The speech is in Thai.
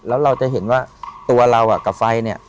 แล้วเราจะเห็นว่าตัวเรากับไฟเนี่ย